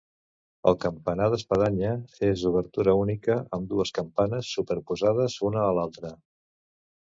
El campanar d'espadanya és d'obertura única, amb dues campanes superposades una a l'altra.